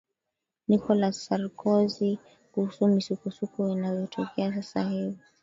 nicholas sarkozy kuhusu misukosuko inayotokea sasa hivi